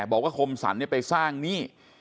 บอกว่าคมสรรไปสร้างหนี้